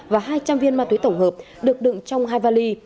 và hai trăm linh viên ma túy tổng hợp được đựng trong hai vali